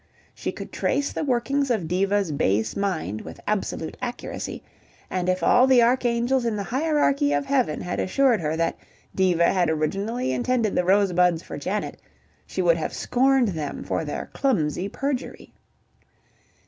She could trace the workings of Diva's base mind with absolute accuracy, and if all the archangels in the hierarchy of heaven had assured her that Diva had originally intended the rosebuds for Janet, she would have scorned them for their clumsy perjury.